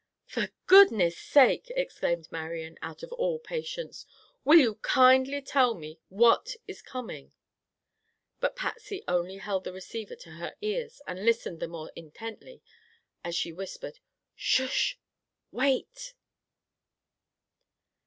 "For goodness sake!" exclaimed Marian, out of all patience, "Will you kindly tell me what is coming?" But Patsy only held the receiver to her ears and listened the more intently as she whispered: "Shush!